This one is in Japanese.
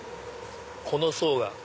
この層が。